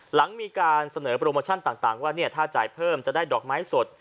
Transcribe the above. หลังมีการเสนอโปรโมชั่นต่างว่าถ้าจ่ายเพิ่มจะได้ดอกไม้สด